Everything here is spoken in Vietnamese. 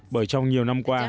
bởi trong nhiều năm qua